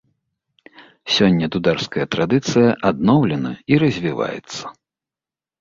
Сёння дударская традыцыя адноўлена і развіваецца.